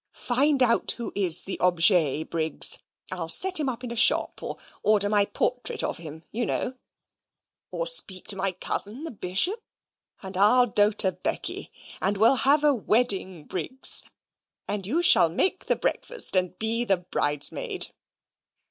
Find out who is the objet, Briggs. I'll set him up in a shop; or order my portrait of him, you know; or speak to my cousin, the Bishop and I'll doter Becky, and we'll have a wedding, Briggs, and you shall make the breakfast, and be a bridesmaid."